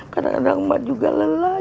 kadang kadang umat juga lelah